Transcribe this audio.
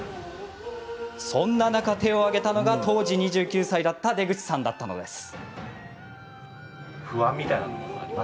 そんな中、手を上げたのが当時２９歳だった出口さんだったのです。